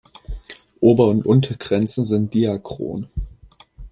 Ober- und Untergrenze sind diachron.